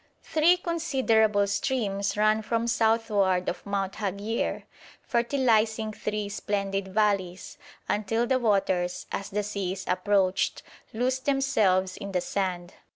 Three considerable streams run from southward of Mount Haghier, fertilising three splendid valleys, until the waters, as the sea is approached, lose themselves in the sand.